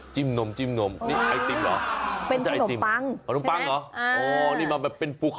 จับจนน้ำสิรักมาก็เป็นจอดหลังข้อตอบปะออกอรี่มาแบบ